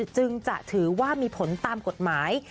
จึงจะถือว่ามีผลตามกฎหมาย